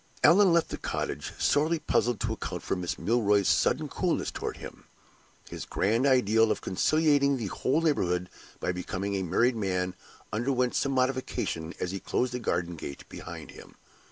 Allan left the cottage, sorely puzzled to account for Miss Milroy's sudden coolness toward him. His grand idea of conciliating the whole neighborhood by becoming a married man underwent some modification as he closed the garden gate behind him.